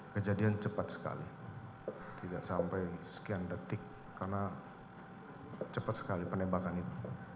kejadian cepat sekali tidak sampai sekian detik karena cepat sekali penembakan itu